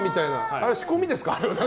あれ、仕込みですか？